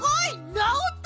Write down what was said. なおった！